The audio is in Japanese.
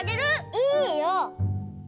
いいよ！